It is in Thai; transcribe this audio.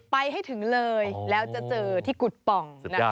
ไปให้ถึงเลยแล้วจะเจอที่กุฎป่อง